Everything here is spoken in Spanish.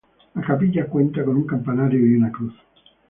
La capilla cuenta con un campanario y una cruz.